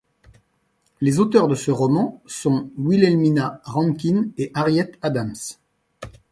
Les auteurs de ce roman sont Wilhelmina Rankin et Harriet Adams.